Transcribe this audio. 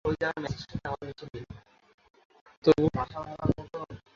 তিনি অন্যান্য অভিজাত কুরাইশদের মতো ব্যবসায় শুরু করেন।